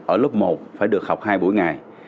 ở lớp một phải được học hai buổi ngày